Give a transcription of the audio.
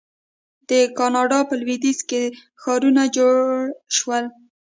د کاناډا په لویدیځ کې ښارونه جوړ شول.